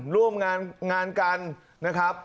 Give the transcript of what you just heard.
ร่วมงานกันนะครับ